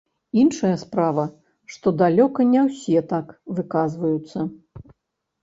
Іншая справа, што далёка не ўсе так выказваюцца.